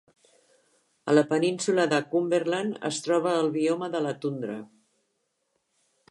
A la península de Cumberland es troba el bioma de la tundra.